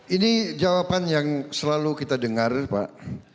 ini jawaban yang selalu kita dengar pak